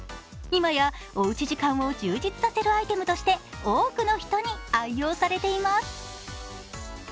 今やおうち時間を充実させるアイテムとして多くの人に愛用されています。